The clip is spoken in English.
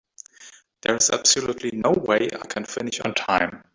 There is absolutely no way I can finish on time.